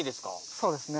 そうですね